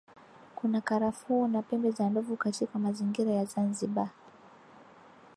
Kuna karafuu na pembe za ndovu katika mazingira ya Zanzibar